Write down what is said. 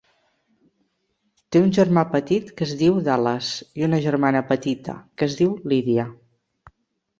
Té un germà petit, que es diu Dallas, i una germana petita, que es diu Lydia.